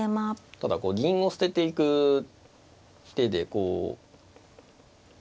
ただこう銀を捨てていく手でこう。